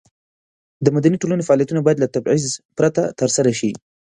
د مدني ټولنې فعالیتونه باید له تبعیض پرته ترسره شي.